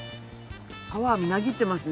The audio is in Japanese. パワーみなぎってますね。